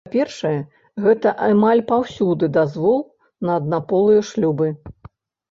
Па-першае, гэта амаль паўсюдны дазвол на аднаполыя шлюбы.